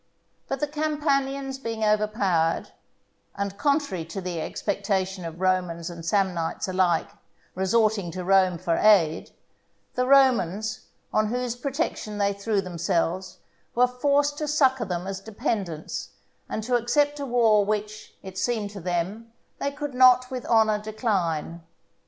But the Campanians being overpowered, and, contrary to the expectation of Romans and Samnites alike, resorting to Rome for aid, the Romans, on whose protection they threw themselves, were forced to succour them as dependants, and to accept a war which, it seemed to them, they could not with honour decline.